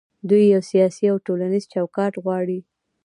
دوی یو سیاسي او ټولنیز چوکاټ غواړي.